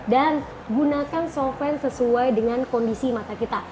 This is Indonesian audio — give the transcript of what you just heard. dan gunakan soft lens sesuai dengan kondisi mata kita